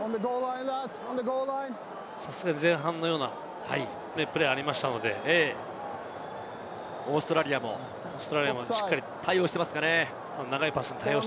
さすが前半のようなプレーがありましたので、オーストラリアもしっかり対応していますかね。